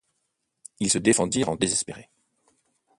Ils se défendirent en désespérés.